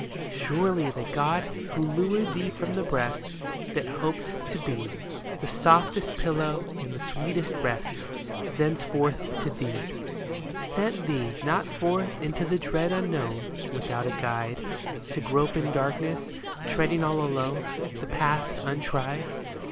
Surely that God who lured thee from the breast That hoped to be The softest pillow and the sweetest rest Thenceforth to thee, Sent thee not forth into the dread unknown Without a guide, To grope in darkness, treading all alone The path untried.